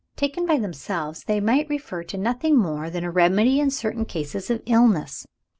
Taken by themselves, they might refer to nothing more remarkable than a remedy in certain cases of illness.